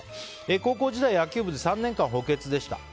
高校時代、野球部で３年間補欠でした。